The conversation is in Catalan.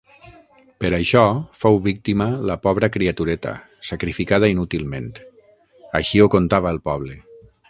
Per això, fou víctima la pobra criatureta, sacrificada inútilment. Així ho contava el poble.